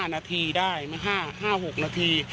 ๕นาทีได้๕๖นาที